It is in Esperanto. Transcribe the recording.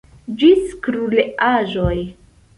Ĝis kruelaĵoj.